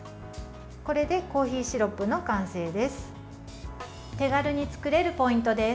これでコーヒーシロップの完成です。